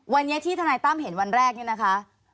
วันนี้ที่ทนายตั้มเห็นวันแรกนี่นะคะ